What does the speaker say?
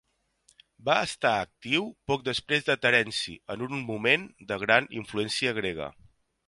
Va estar actiu poc després de Terenci, en un moment de gran influència grega.